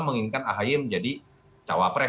menginginkan ahy menjadi cawapres